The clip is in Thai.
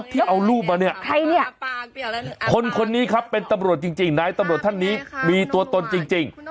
ที่เอารูปมาเนี่ยใครเนี่ยคนคนนี้ครับเป็นตำรวจจริงนายตำรวจท่านนี้มีตัวตนจริง